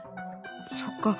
そっか。